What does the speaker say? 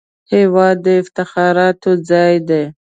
هېواد د افتخاراتو ځای دی